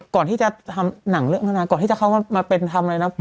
ก่อนที่จะทำหนังเรื่องธนาก่อนที่จะเข้ามาเป็นทำอะไรนะ